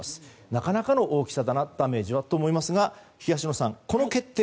なかなかの大きさだなダメージはと思いますが東野さん、この決定